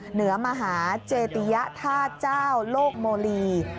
เหนือมหาเจติยธาตุเจ้าโลกโมลี